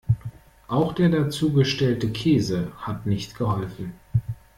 Auch der dazugestellte Käse hat nicht geholfen.